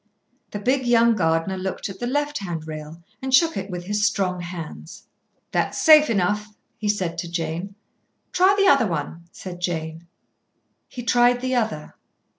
The big, young gardener looked at the left hand rail and shook it with his strong hands. "That's safe enough," he said to Jane. "Try the other," said Jane. He tried the other.